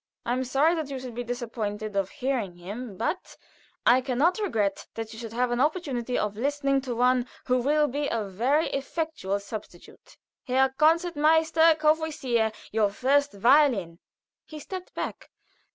I am sorry that you should be disappointed of hearing him, but I can not regret that you should have an opportunity of listening to one who will be a very effectual substitute Herr Concertmeister Courvoisier, your first violin." He stepped back.